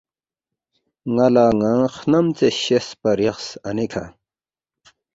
نالا نانگ خنم ژے شیس پا ریاخس اَنے کھا